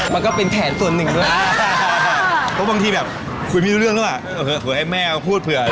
มันก็เป็นแผนส่วนหนึ่งด้วยเพราะบางทีแบบคุยไม่รู้เรื่องหรือเปล่าเผื่อให้แม่พูดเผื่อ